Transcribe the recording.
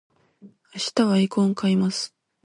今日はエイコンを買います